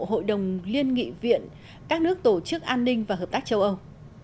hội đồng liên nghị viện các nước tổ chức an ninh và hợp tác châu âu